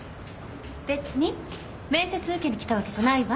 別に面接受けに来たわけじゃないわ。